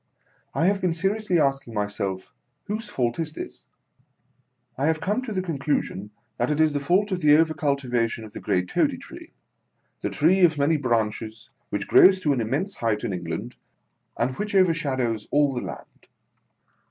I have been seriously asking myself, whose fault is this 1 I have come to the conclusion that it is the fault of the over cultivation of the great Toady Tree ; the tree of many branches, which grows to an immense height in England, and which overshadows all the land.